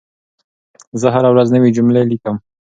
زه هره ورځ نوي جملې لیکم.